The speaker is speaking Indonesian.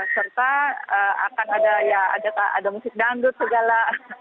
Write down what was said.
serta akan ada musik dangdut segala